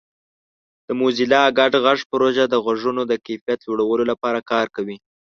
د موزیلا ګډ غږ پروژه د غږونو د کیفیت لوړولو لپاره کار کوي.